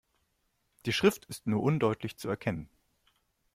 Die Schrift ist nur undeutlich zu erkennen.